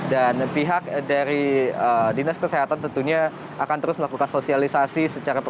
dan pihak dari dinas kesehatan tentunya akan terus melakukan sosialisasi